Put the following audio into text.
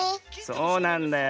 そうなんだよ。